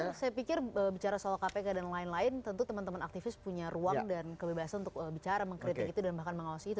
ya saya pikir bicara soal kpk dan lain lain tentu teman teman aktivis punya ruang dan kebebasan untuk bicara mengkritik itu dan bahkan mengawasi itu